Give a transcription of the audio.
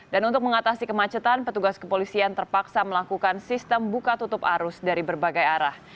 dan untuk mengatasi kemacetan petugas kepolisian terpaksa melakukan sistem buka tutup arus dari berbagai arah